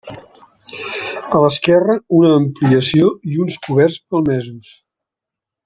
A l’esquerra una ampliació i uns coberts malmesos.